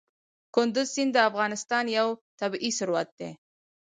کندز سیند د افغانستان یو طبعي ثروت دی.